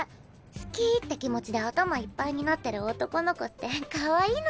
好き！って気持ちで頭いっぱいになってる男の子ってカワイイのに。